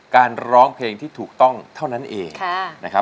การร้องเพลงที่ถูกต้องเท่านั้นเอง